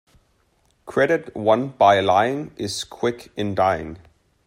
Credit won by lying is quick in dying.